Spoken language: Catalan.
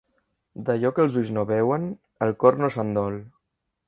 D'allò que els ulls no veuen, el cor no se'n dol